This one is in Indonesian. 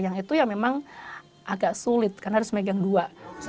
yang itu ya memang agak sulit karena harus megang dua